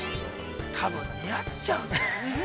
◆多分似合っちゃうね。